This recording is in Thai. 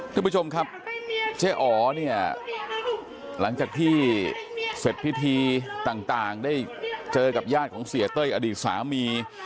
ท่านผู้ชมครับเจ๊อ๋อเนี่ยหลังจากที่เสร็จพิธีต่างได้เจอกับญาติของเสียเต้ยอดีตสามี